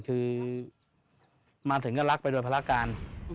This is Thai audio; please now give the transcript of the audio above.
คือมาถึงก็รักไปโดยพระราชกาล